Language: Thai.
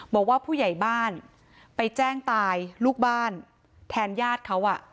บอกว่าผู้ใหญ่บ้านไปแจ้งตายลูกบ้านแทนญาติเขา